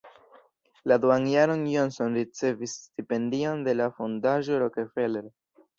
La duan jaron Johnson ricevis stipendion de la fondaĵo Rockefeller.